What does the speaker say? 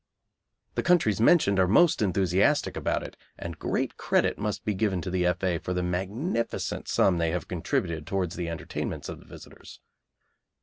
The countries mentioned are most enthusiastic about it, and great credit must be given to the F.A. for the magnificent sum they have contributed towards the entertainments of the visitors.